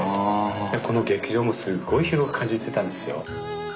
この劇場もすっごい広く感じてたんですよ。